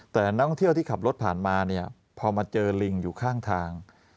แต่นักท่องเที่ยวที่ขับรถผ่านมาเนี่ยพอมาเจอลิงอยู่ข้างทาง